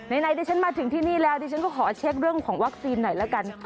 ไหนดิฉันมาถึงที่นี่แล้วดิฉันก็ขอเช็คเรื่องของวัคซีนหน่อยละกัน